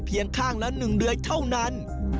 เพียงข้างและหนึ่งเดือยเท่านั้น